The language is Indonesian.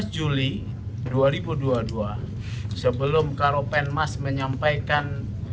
dua belas juli dua ribu dua puluh dua sebelum karopenmas menyampaikan